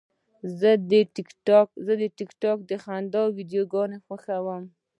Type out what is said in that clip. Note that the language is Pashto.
زه د ټک ټاک د خندا ویډیوګانې خوښوم.